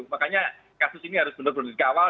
makanya kasus ini harus benar benar dikawal